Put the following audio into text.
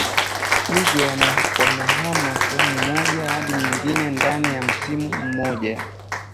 Hivyo wanahama sehemu moja hadi nyingine ndani msimu mmoja